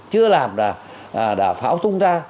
chưa làm đã pháo tung ra